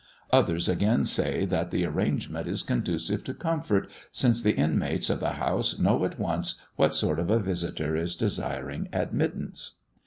Others again say, that the arrangement is conducive to comfort, since the inmates of the house know at once what sort of a visitor is desiring admittance.